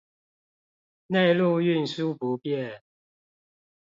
內陸運輸不便